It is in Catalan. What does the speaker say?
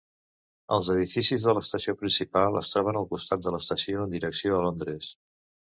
Els edificis de l'estació principal es troben al costat de l'estació en direcció a Londres.